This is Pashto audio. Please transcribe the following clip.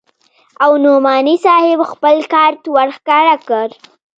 او نعماني صاحب خپل کارت ورښکاره کړ.